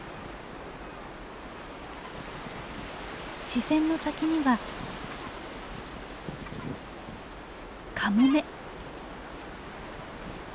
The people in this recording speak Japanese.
視線の先にはカモメ。